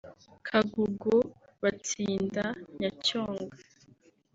Kagugu-Batsinda-Nyacyonga